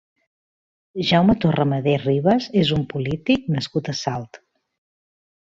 Jaume Torramadé Ribas és un polític nascut a Salt.